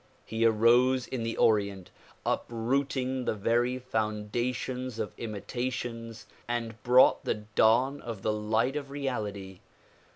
He arose in the Orient, uprooting the very foundations of imitations and brought the dawn of the light of reality.